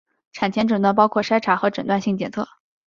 产前诊断包括筛查和诊断性检测。